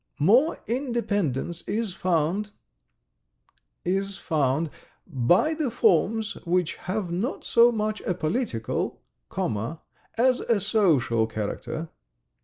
... More independence is found ... is found ... by the forms which have not so much a political ... comma ... as a social character